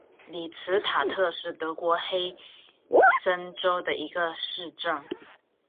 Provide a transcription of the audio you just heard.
里茨塔特是德国黑森州的一个市镇。